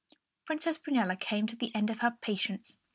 Princess Prunella came to the end of her patience.